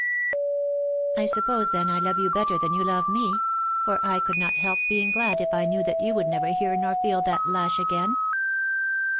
" I suppose then I love you better than you love me, for I could not help being glad if I knew that you would never hear nor feel that lash again